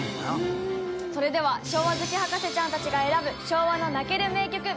それでは昭和好き博士ちゃんたちが選ぶ昭和の泣ける名曲